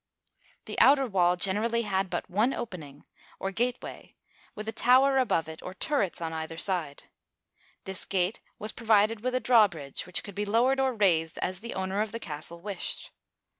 The outer wall generally had but one opening, or gate way, with a tower above it, or turrets on either side. This gate was provided with a drawbridge, which could be low ered or raised as the owner of the castle wished.